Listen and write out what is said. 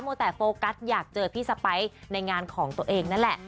แต่โฟกัสอยากเจอพี่สไปร์ในงานของตัวเองนั่นแหละ